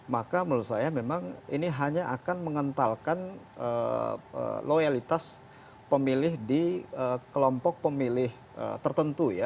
maka menurut saya memang ini hanya akan mengentalkan loyalitas pemilih di kelompok pemilih tertentu ya